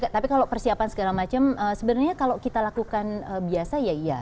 tapi kalau persiapan segala macam sebenarnya kalau kita lakukan biasa ya iya